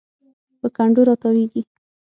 په کنډو راتاویږي